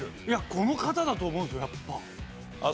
この方だと思うんですよ１００パー。